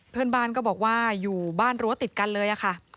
เพื่อนบ้านก็บอกว่าอยู่บ้านรั้วติดกันเลยค่ะ